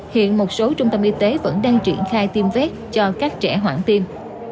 hiện một số trung tâm y tế vẫn đang triển khai tiêm vét cho các trẻ hoãn tiêm